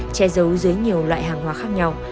che giấu dưới nhiều loại hàng hóa khác nhau